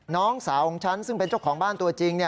น้องสาวของฉันซึ่งเป็นเจ้าของบ้านตัวจริง